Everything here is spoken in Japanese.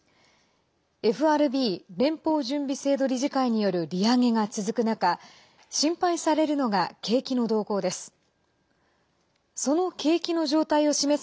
ＦＲＢ＝連邦準備制度理事会による利上げが続く中心配されるのが景気の動向です。